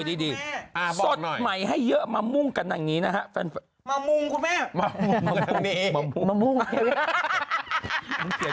สดใหม่ให้เยอะมะมุ่งแบบนี้นะฟันแฟน